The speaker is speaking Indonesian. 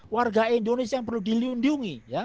warga indonesia yang perlu dilindungi